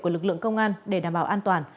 của lực lượng công an để đảm bảo an toàn